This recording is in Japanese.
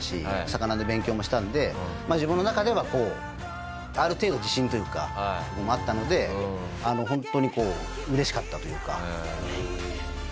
魚の勉強もしたので自分の中ではこうある程度自信というかあったのでホントに嬉しかったというか。